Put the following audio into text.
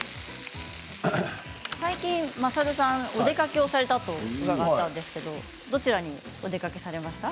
最近まさるさんお出かけをされたと伺ったんですがどちらにお出かけされました。